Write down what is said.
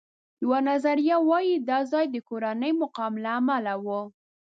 یوه نظریه وایي دا ځای د کورني مقام له امله و.